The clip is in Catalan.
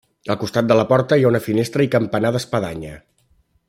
Al costat de la porta hi ha una finestra i campanar d'espadanya.